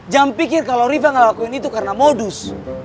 jangan pikir kalo rifa ga lakuin itu karena modus